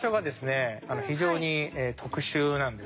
非常に特殊なんですね。